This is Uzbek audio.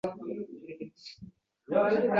Samarqandni tashlab ketyotgan Bobur kabi rangi oqarib.